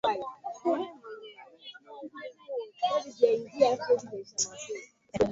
Banaenda kuniuzia kompiuta